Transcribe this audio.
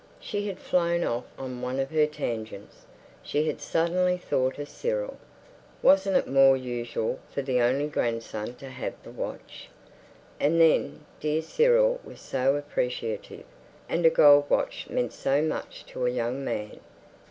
She had flown off on one of her tangents. She had suddenly thought of Cyril. Wasn't it more usual for the only grandson to have the watch? And then dear Cyril was so appreciative, and a gold watch meant so much to a young man.